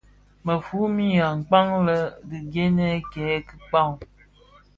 Bë mumfin akpaň lè dhi gènè kè dhikpag.